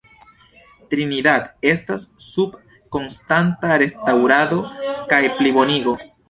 Trinidad estas sub konstanta restaŭrado kaj plibonigo.